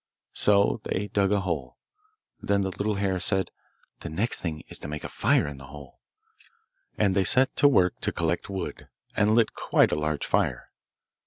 So they dug a hole, and then the little hare said, 'The next thing is to make a fire in the hole,' and they set to work to collect wood, and lit quite a large fire.